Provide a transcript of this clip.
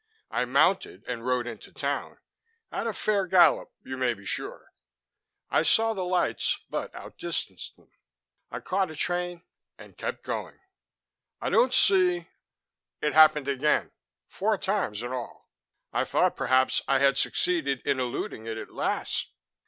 I mounted and rode into town and at a fair gallop, you may be sure. I saw the lights, but outdistanced them. I caught a train and kept going." "I don't see " "It happened again; four times in all. I thought perhaps I had succeeded in eluding it at last.